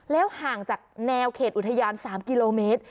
ห่างจากแนวเขตอุทยาน๓กิโลเมตร